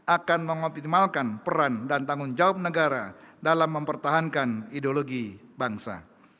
akan mengoptimalkan peran dan tanggung jawab negara dalam mempertahankan ideologi bangsa